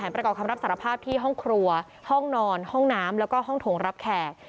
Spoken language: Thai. ประกอบคำรับสารภาพที่ห้องครัวห้องนอนห้องน้ำแล้วก็ห้องถงรับแขก